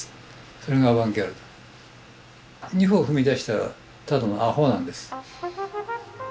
２歩踏み出したらただのアホなんです。